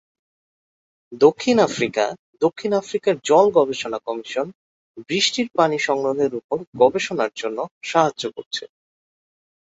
দক্ষিণ আফ্রিকা দক্ষিণ আফ্রিকার জল গবেষণা কমিশন বৃষ্টির পানি সংগ্রহের উপর গবেষণার জন্য সাহায্য করছে।